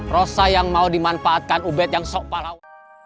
rosa yang mau dimanfaatkan ubed yang sok palau